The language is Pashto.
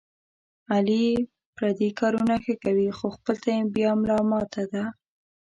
علي پردي کارونه ښه کوي، خو خپل ته یې بیا ملا ماته ده.